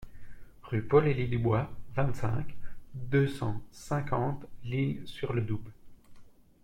Rue Paul Elie Dubois, vingt-cinq, deux cent cinquante L'Isle-sur-le-Doubs